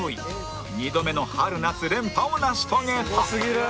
２度目の春夏連覇を成し遂げた